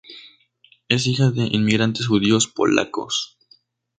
Es hija de inmigrantes judíos polacos.